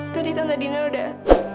tadi tante dina udah